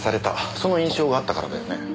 その印象があったからだよね。